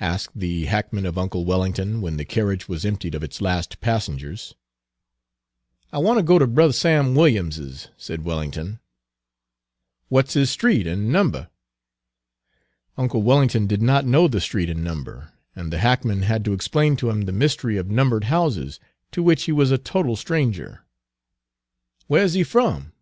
asked the hackman of uncle Wellington, when the carriage was emptied of its last passengers. "I want ter go ter Brer Sam Williams's," said Wellington. "What 's his street an' number?" Uncle Wellington did not know the street and number, and the hackman had to explain to him the mystery of numbered houses, to which he was a total stranger. "Where is he from?"